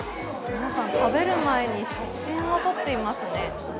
皆さん、食べる前に写真を撮っていますね。